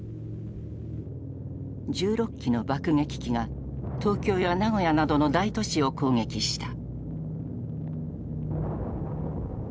１６機の爆撃機が東京や名古屋などの大都市を攻撃した。